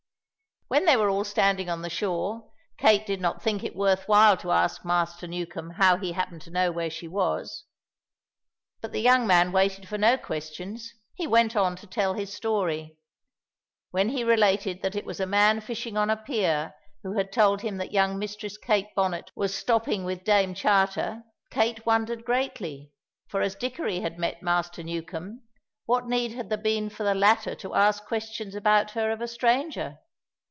When they were all standing on the shore, Kate did not think it worth while to ask Master Newcombe how he happened to know where she was. But the young man waited for no questions; he went on to tell his story. When he related that it was a man fishing on a pier who had told him that young Mistress Kate Bonnet was stopping with Dame Charter, Kate wondered greatly, for as Dickory had met Master Newcombe, what need had there been for the latter to ask questions about her of a stranger?